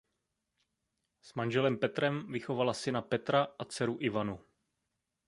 S manželem Petrem vychovala syna Petra a dceru Ivanu.